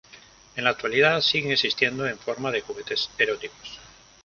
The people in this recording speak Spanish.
En la actualidad siguen existiendo en forma de juguetes eróticos.